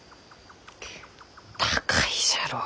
高いじゃろう。